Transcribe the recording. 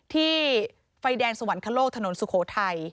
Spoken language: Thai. ที่ไฟแดงสวรรคโลกถนนสุโขทัย